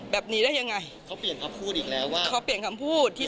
แบบนี้ได้ยังไงเขาเปลี่ยนคำพูดอีก